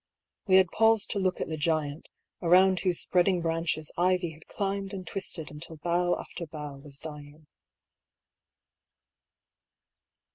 We had paused to look at the giant, around whose spreading branches ivy had climbed and twisted until bough after bough was dying.